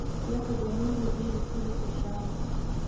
لکه د نورو ډیرو ښځو په شان